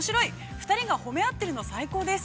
２人が褒めあっているの最高です。